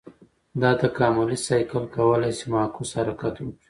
دا تکاملي سایکل کولای شي معکوس حرکت وکړي.